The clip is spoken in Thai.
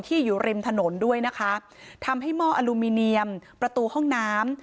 อยู่ริมถนนด้วยนะคะทำให้หม้ออลูมิเนียมประตูห้องน้ำ